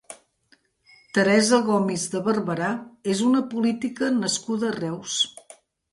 Teresa Gomis de Barbarà és una política nascuda a Reus.